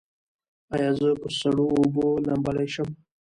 ایا زه په سړو اوبو لامبلی شم؟